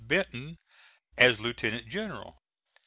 Benton as lieutenant general.